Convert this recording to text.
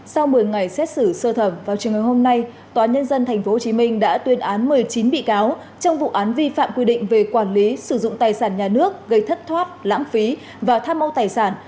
sau một mươi ngày xét xử sơ thẩm vào trường hướng hôm nay tnthh đã tuyên án một mươi chín bị cáo trong vụ án vi phạm quy định về quản lý sử dụng tài sản nhà nước gây thất thoát lãng phí và tham mâu tài sản